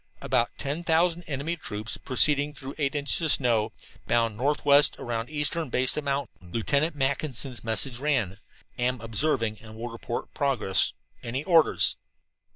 "About ten thousand enemy troops proceeding through eight inches snow, bound northwest around eastern base of mountain," Lieutenant Mackinson's message ran. "Am observing and will report progress. Any orders?"